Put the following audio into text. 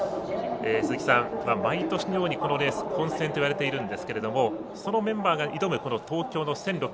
鈴木さん、毎年のようにこのレース混戦といわれているんですけれどもそのメンバーが挑む東京の１６００ｍ。